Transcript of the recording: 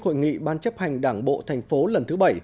hội nghị ban chấp hành đảng bộ tp lần thứ bảy